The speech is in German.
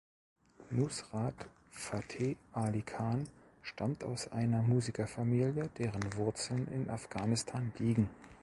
Nusrat Fateh Ali Khan stammt aus einer Musikerfamilie, deren Wurzeln in Afghanistan liegen.